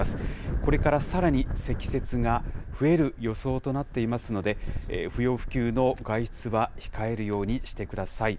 これからさらに積雪が増える予想となっていますので、不要不急の外出は控えるようにしてください。